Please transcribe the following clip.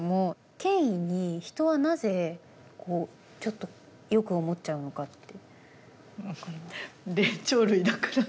権威に人はなぜちょっとよく思っちゃうのかって。